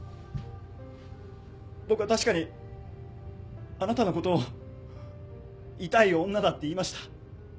僕は確かにあなたのことを痛い女だって言いました。